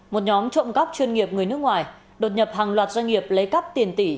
một nhóm trộm góc chuyên nghiệp người nước ngoài đột nhập hàng loạt doanh nghiệp lấy cắp tiền tỷ